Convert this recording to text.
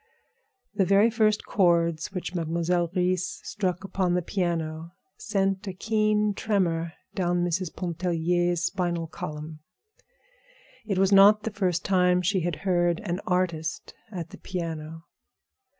The very first chords which Mademoiselle Reisz struck upon the piano sent a keen tremor down Mrs. Pontellier's spinal column. It was not the first time she had heard an artist at the piano.